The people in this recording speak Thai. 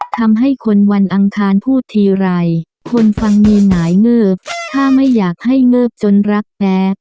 ทำให้คนวันอังคารพูดทีไรคนฟังมีหงายเงิบถ้าไม่อยากให้เงิบจนรักแท้